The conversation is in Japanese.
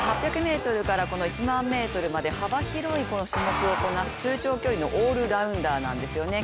８００ｍから１００００ｍまで幅広い種目をこなす中長距離のオールラウンダーなんですよね。